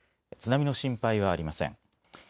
津波の心配はありません。